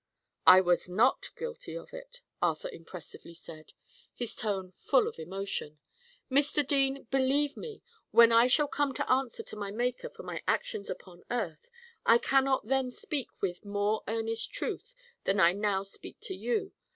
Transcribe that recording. "I was not guilty of it," Arthur impressively said, his tone full of emotion. "Mr. Dean! believe me. When I shall come to answer to my Maker for my actions upon earth, I cannot then speak with more earnest truth than I now speak to you.